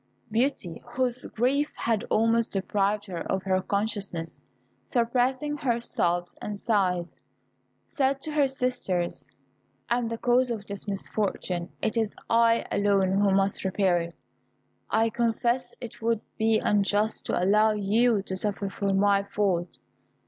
Beauty, whose grief had almost deprived her of consciousness, suppressing her sobs and sighs, said to her sisters, "I am the cause of this misfortune; it is I alone who must repair it. I confess it would be unjust to allow you to suffer for my fault.